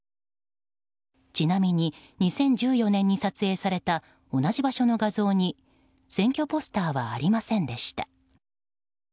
ちなみに、２０１４年に撮影された同じ場所の画像に選挙ポスターはありませんでした。